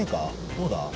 どうだ？